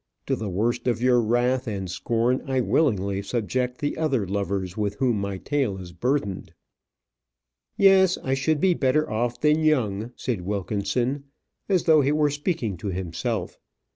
To the worst of your wrath and scorn I willingly subject the other lovers with whom my tale is burthened. "Yes, I should be better off than Young," said Wilkinson, as though he were speaking to himself.